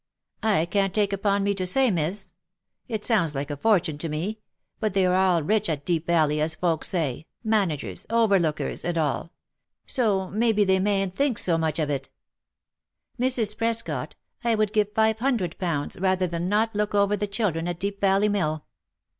" I can't take upon me to say, miss ; it sounds like a fortune to me — but they are all rich at Deep Valley, as folks say, managers, over lookers, and all — so, may be they mayn't think so much of it." " Mrs. Prescot, I would give five hundred pounds, rather than not look over the children at Deep Valley Mill."